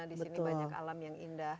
di sini banyak alam yang indah